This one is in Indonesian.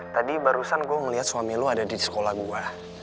tadi barusan gue melihat suami lu ada di sekolah gue